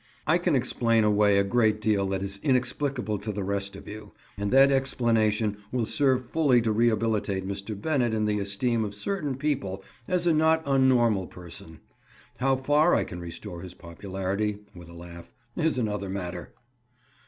I can explain away a great deal that is inexplicable to the rest of you, and that explanation will serve fully to rehabilitate Mr. Bennett in the esteem of certain people as a not unnormal person. How far I can restore his popularity," with a laugh, "is another matter."